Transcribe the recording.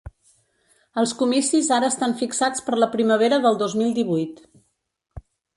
Els comicis ara estan fixats per la primavera del dos mil divuit.